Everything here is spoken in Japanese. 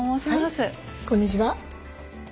はいこんにちは。